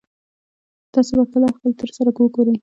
تاسو به کله خپل تره سره وګورئ